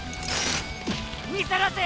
見さらせ！